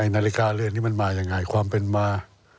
นาฬิกาเรือนนี้มันมายังไงความเป็นมา